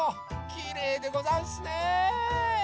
きれいでござんすねえ！